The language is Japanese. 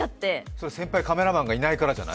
それ、先輩カメラマンがいないからじゃない？